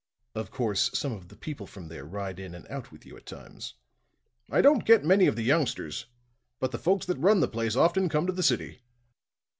"Of course some of the people from there ride in and out with you at times." "I don't get many of the youngsters. But the folks that run the place often come to the city."